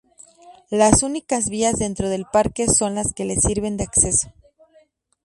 Las únicas vías dentro del parque son las que le sirven de acceso.